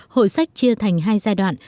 hội sách chia thành hai giai đoạn